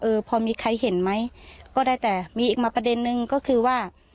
เออพอมีใครเห็นไหมก็ได้แต่มีอีกมาประเด็นนึงก็คือว่า